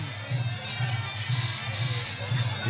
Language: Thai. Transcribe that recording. ทางหน้าพลังหนุ่ม